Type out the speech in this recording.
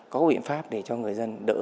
có biện pháp để cho người dân đỡ